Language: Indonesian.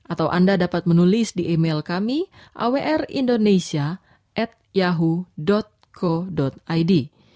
atau anda dapat menulis di email kami awrindonesia yahoo co id